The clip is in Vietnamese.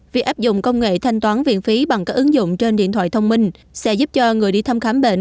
việc áp dụng công nghệ thanh toán viện phí bằng các ứng dụng trên điện thoại thông minh sẽ giúp cho người đi thăm khám bệnh